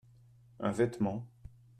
Un vêtement.